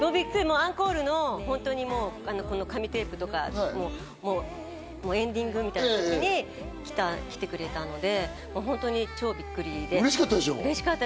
アンコールの紙テープとかエンディングみたいな時に来てくれたので、本当に超びっくりでうれしかった。